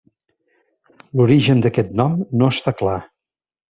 L'origen d'aquest nom no està clar.